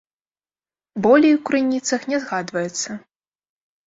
Болей у крыніцах не згадваецца.